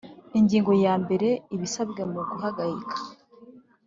Ingingo ya mbere Ibisabwa mu guhagarika